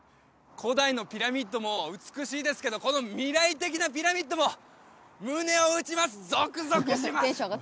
古代のピラミッドも美しいですけどこの未来的なピラミッドも胸を打ちますゾクゾクします！